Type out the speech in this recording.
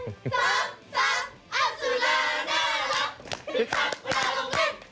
คึกคักเวลาลงเล่น